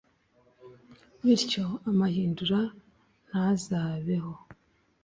bityo amahindura ntazabeho